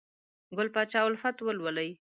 ګل پاچا الفت ولولئ!